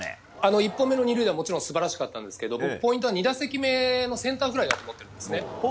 １本目の２塁打も素晴らしかったんですが僕、ポイントは２打席目のセンターフライなんです。